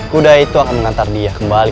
kuda itu akan mengantar dia kembali